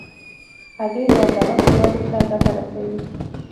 هګۍ د عضلاتو ودې ته ګټه رسوي.